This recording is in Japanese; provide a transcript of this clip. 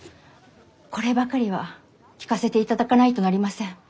こればかりは聞かせていただかないとなりません。